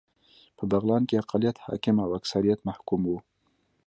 په بغلان کې اقلیت حاکم او اکثریت محکوم و